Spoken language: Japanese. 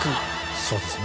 そうですね。